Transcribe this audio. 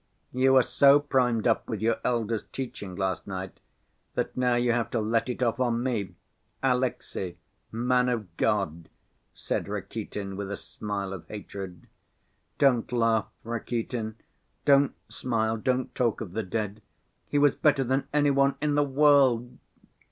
"You were so primed up with your elder's teaching last night that now you have to let it off on me, Alexey, man of God!" said Rakitin, with a smile of hatred. "Don't laugh, Rakitin, don't smile, don't talk of the dead—he was better than any one in the world!"